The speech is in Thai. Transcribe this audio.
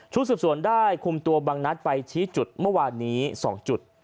สืบสวนได้คุมตัวบังนัดไปชี้จุดเมื่อวานนี้๒จุด